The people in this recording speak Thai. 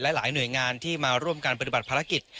หลายหน่วยงานที่มาร่วมการปฏิบัติภารกิจ